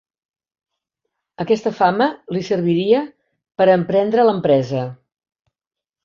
Aquesta fama li serviria per emprendre l'empresa.